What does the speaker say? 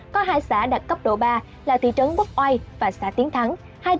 có hai xã đạt cấp độ ba là thị trấn bốc oai và xã tiến thắng